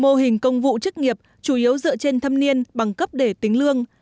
mô hình công vụ chức nghiệp chủ yếu dựa trên thâm niên bằng cấp để tính lương